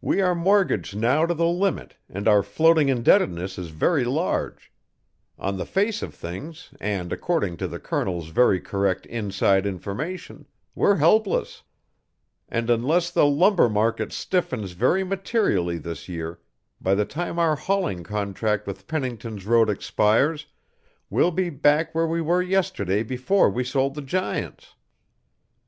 "We are mortgaged now to the limit, and our floating indebtedness is very large; on the face of things and according to the Colonel's very correct inside information, we're helpless; and unless the lumber market stiffens very materially this year, by the time our hauling contract with Pennington's road expires, we'll be back where we were yesterday before we sold the Giants.